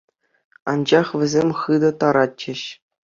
Анчах вӗсем хытӑ таратчӗҫ.